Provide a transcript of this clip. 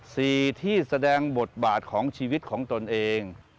สี่ที่แสดงบทบาทของชีวิตของตนเอง